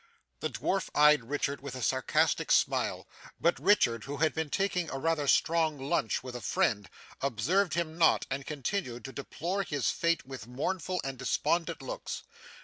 The dwarf eyed Richard with a sarcastic smile, but Richard, who had been taking a rather strong lunch with a friend, observed him not, and continued to deplore his fate with mournful and despondent looks.